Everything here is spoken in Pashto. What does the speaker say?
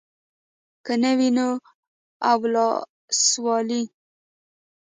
که نه وي نو اولسوالي.